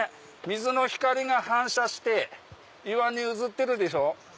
水の光が反射して岩に映ってるでしょ？